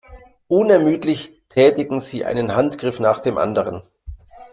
Unermüdlich tätigen sie einen Handgriff nach dem anderen.